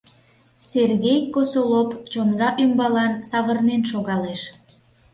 Сергей Косолоп чоҥга ӱмбалан савырнен шогалеш.